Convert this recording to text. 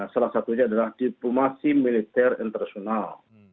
salah satunya adalah diplomasi militer internasional